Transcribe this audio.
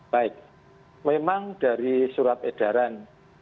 baik memang dari surat edaran